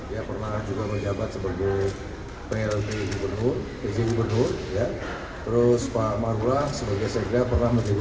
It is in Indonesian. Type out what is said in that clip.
ya pernah juga menjabat sebagai plt gubernur terus pak marulah sebagai segera pernah menjadi